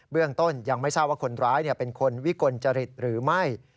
เรื่องต้นยังไม่ทราบว่าคนร้ายเป็นคนวิกลจริตหรือไม่